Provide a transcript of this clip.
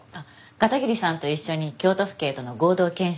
片桐さんと一緒に京都府警との合同研修に。